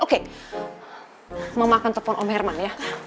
oke mama akan telpon om herman ya